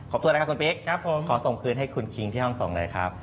ขอบคุณนะครับคุณปิ๊กขอส่งคืนให้คุณคิงที่ห้องส่งเลยครับ